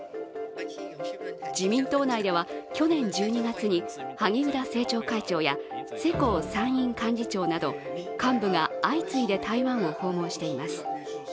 自民党内では去年１２月に萩生田政調会長や世耕参院幹事長など、幹部が相次いで台湾を訪問しています。